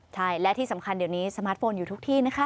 ใช่และที่สำคัญเดี๋ยวนี้สมาร์ทโฟนอยู่ทุกที่นะคะ